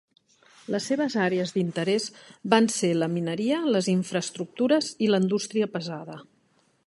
Les seves àrees d'interès van ser la mineria, les infraestructures i la indústria pesada.